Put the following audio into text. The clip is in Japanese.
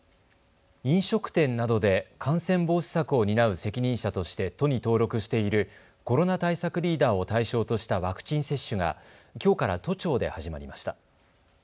飲食店などで感染防止策を担う責任者として都に登録しているコロナ対策リーダーを対象としたワクチン接種がきょうから都庁で始まりました。